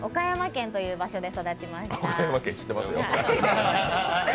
岡山県、知ってますよ。